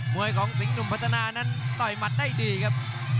วยของสิงหนุ่มพัฒนานั้นต่อยหมัดได้ดีครับ